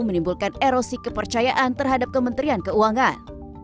menimbulkan erosi kepercayaan terhadap kementerian keuangan